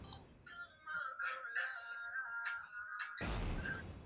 A lo lejos se ve el Vesubio y una parte del golfo de Nápoles.